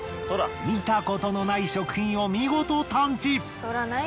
見たことのない食品を見事探知。